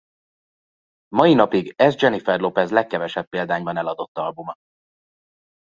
Mai napig ez Jennifer Lopez legkevesebb példányban eladott albuma.